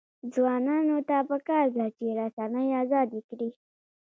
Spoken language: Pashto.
ځوانانو ته پکار ده چې، رسنۍ ازادې کړي.